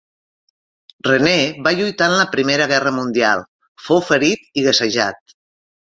René va lluitar en la Primera Guerra mundial; fou ferit i gasejat.